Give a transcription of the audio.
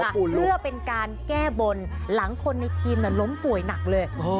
เพื่อเป็นการแก้บนหลังคนในทีมล้มป่วยหนักเลย